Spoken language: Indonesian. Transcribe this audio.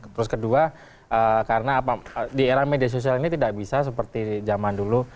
terus kedua karena apa di era media sosial ini tidak bisa seperti zaman dulu